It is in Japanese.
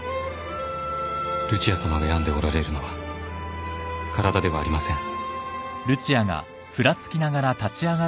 ルチアさまが病んでおられるのは体ではありません。